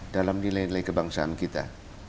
dalam nilai nilai kebangsaan kita